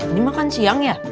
ini makan siang ya